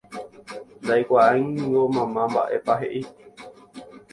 ndaikuaáingo mamá mba'épa he'i.